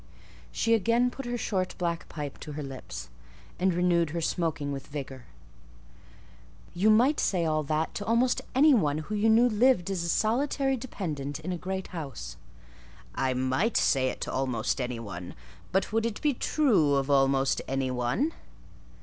She again put her short black pipe to her lips, and renewed her smoking with vigour. "You might say all that to almost any one who you knew lived as a solitary dependent in a great house." "I might say it to almost any one: but would it be true of almost any one?"